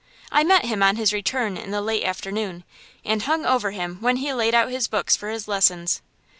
I met him on his return in the late afternoon, and hung over him when he laid out his books for his lessons.